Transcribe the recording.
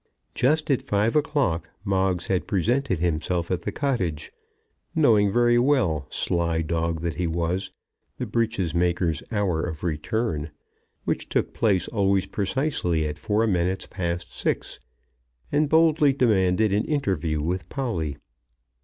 Just at five o'clock Moggs had presented himself at the cottage, knowing very well, sly dog that he was, the breeches maker's hour of return, which took place always precisely at four minutes past six, and boldly demanded an interview with Polly.